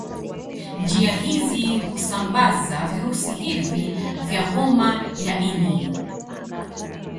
Njia hizi husambaza virusi hivi vya homa ya ini